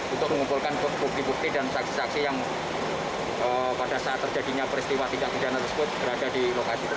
untuk mengumpulkan bukti bukti dan saksi saksi yang pada saat terjadinya peristiwa tindak pidana tersebut berada di lokasi tersebut